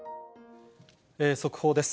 速報です。